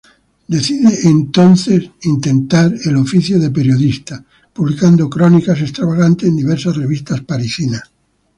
Decide entonces intentar el oficio de periodista, publicando crónicas extravagantes en diversas revistas parisinas.